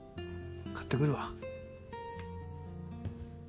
買ってくるわ。